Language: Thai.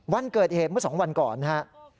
วันเกิดเหตุเมื่อ๒วันก่อนนะครับ